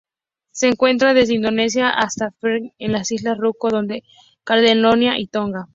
Se encuentra desde Indonesia hasta Fiyi, las Islas Ryukyu, Nueva Caledonia y Tonga.